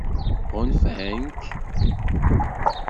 Ɣunfan-k?